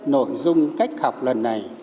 nội dung cách học lần này